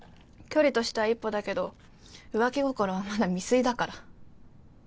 距離としては一歩だけど浮気心はまだ未遂だから。